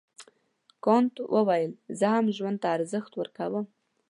کانت وویل زه هم ژوند ته ارزښت ورکوم.